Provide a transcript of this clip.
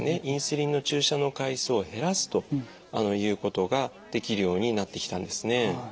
インスリンの注射の回数を減らすということができるようになってきたんですね。